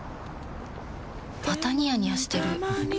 またニヤニヤしてるふふ。